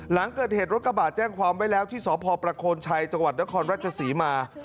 หลังเกิดเหตุรถกระบะแจ้งความไว้แล้วที่สพชนครรัชสีมา